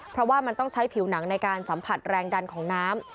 เพราะว่ามันต้องใช้ผิวหนังในการสัมผัสแรงดันของน้ำ